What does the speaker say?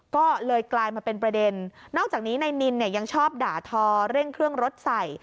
ก็เลยกลายมาเป็นประเด็นนอกจากนี้นายนินเนี่ยยังชอบด่าทอเร่งเครื่องรถใส่